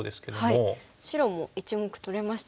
白も１目取れましたね。